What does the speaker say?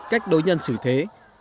cách đối nhân xử thế